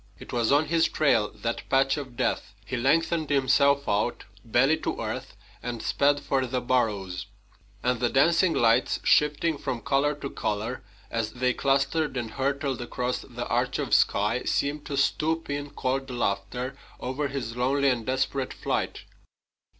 It was on his trail, that patch of death. He lengthened himself out, belly to earth, and sped for the burrows. And the dancing lights, shifting from color to color as they clustered and hurtled across the arch of sky, seemed to stoop in cold laughter over his lonely and desperate flight.